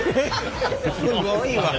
すごいわ。